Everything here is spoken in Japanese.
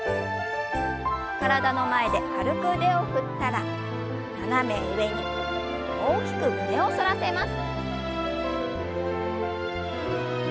体の前で軽く腕を振ったら斜め上に大きく胸を反らせます。